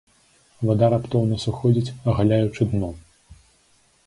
Вада раптоўна сыходзіць, агаляючы дно.